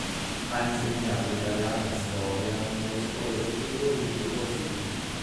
Ha insegnato italiano e storia nelle scuole superiori di Ozieri.